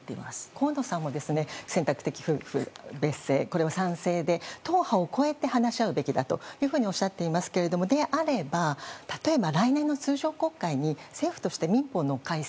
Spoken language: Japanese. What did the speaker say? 河野さんも、選択的夫婦別姓これは賛成で、党派を越えて話し合うべきだというふうにおっしゃっていますけれどもであれば、例えば来年の通常国会に政府として民法の改正